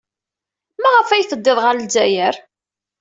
Maɣef ay teddid ɣer Lezzayer?